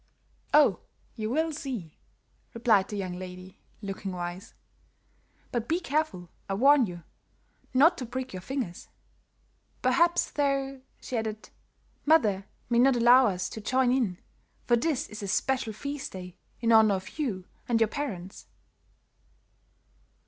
"Oh, you will see," replied the young lady, looking wise. "But be careful, I warn you, not to prick your fingers. Perhaps, though," she added, "mother may not allow us to join in, for this is a special feast day, in honor of you and your parents."